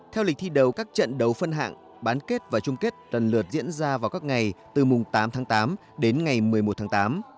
theo lịch thi đấu các trận đấu phân hạng bán kết và chung kết tần lượt diễn ra vào các ngày từ mùng tám tháng tám đến ngày một mươi một tháng tám